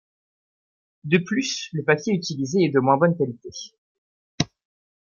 De plus, le papier utilisé est de moins bonne qualité.